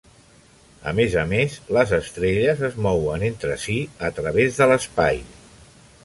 A més a més, les estrelles es mouen entre si a través de l'espai.